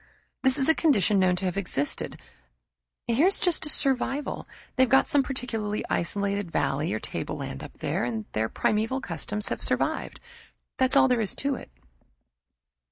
This is a condition known to have existed here's just a survival. They've got some peculiarly isolated valley or tableland up there, and their primeval customs have survived. That's all there is to it."